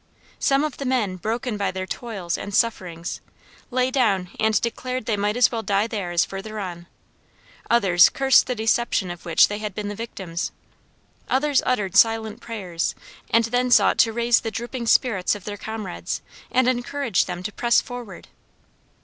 Some of the men, broken by their toils and sufferings, lay down and declared they might as well die there as further on; others cursed the deception of which they had been the victims; others uttered silent prayers, and then sought to raise the drooping spirits of their comrades, and encourage them to press forward.